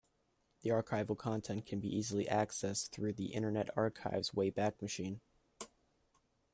The archival content can be easily accessed through the Internet Archive's Wayback Machine.